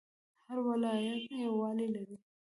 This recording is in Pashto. هر ولایت یو والی لري